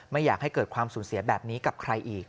ไม่อยากให้เกิดความสูญเสียแบบนี้กับใครอีก